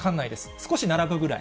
少し並ぶぐらい。